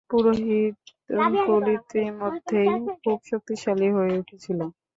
পুরোহিতকুল ইতোমধ্যেই খুব শক্তিশালী হয়ে উঠেছিল।